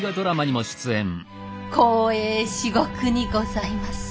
光栄至極にございます。